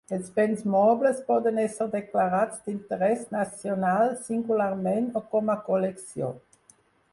Els béns mobles poden ésser declarats d'interès nacional singularment o com a col·lecció.